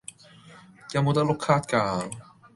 有冇得碌卡㗎